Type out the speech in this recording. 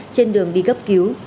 trên đường đi cấp cứu